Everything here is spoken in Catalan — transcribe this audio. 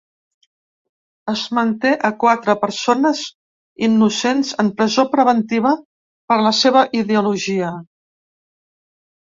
Es manté a quatre persones innocents en presó preventiva per la seva ideologia.